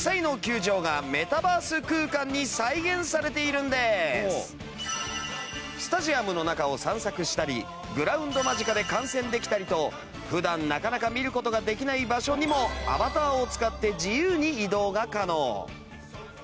なんと実際のスタジアムの中を散策したりグラウンド間近で観戦できたりと普段なかなか見る事ができない場所にもアバターを使って自由に移動が可能。